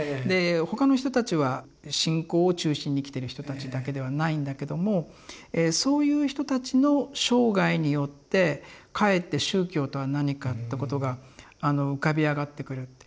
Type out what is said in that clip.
で他の人たちは信仰を中心に生きてる人たちだけではないんだけどもそういう人たちの生涯によってかえって宗教とは何かってことが浮かび上がってくる。